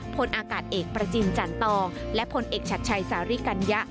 พลอากาศเอกประจิมจันตองและพลเอกชัดชัยสาริกัญญะ